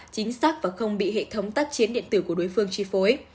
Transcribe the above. chính xác và không bị hệ thống tác chiến điện tử của đối phương chi phối